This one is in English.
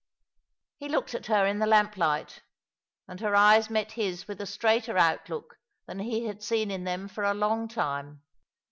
He looked at her in the lamplight, and her eyes met his with a straighter outlook than he had seen in them for a long time.